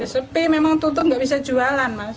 sepi memang tutup nggak bisa jualan mas